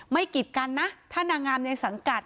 กิดกันนะถ้านางงามในสังกัด